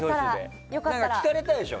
聞かれたでしょ？